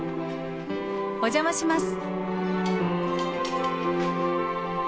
お邪魔します。